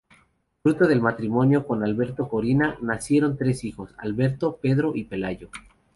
Fruto del matrimonio con Alberto Cortina, nacieron tres hijos, Alberto, Pedro y Pelayo.